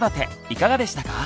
いかがでしたか？